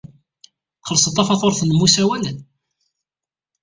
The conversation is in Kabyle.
Txellṣed tafatuṛt-nnem n usawal?